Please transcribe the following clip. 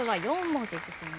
４文字「き」